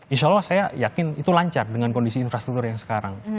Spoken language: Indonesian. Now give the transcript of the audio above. insya allah saya yakin itu lancar dengan kondisi infrastruktur yang sekarang